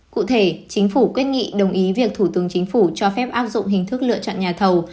cụ thể chính phủ quyết nghị đồng ý việc thủ tướng chính phủ cho phép áp dụng hình thức lựa chọn nhà thầu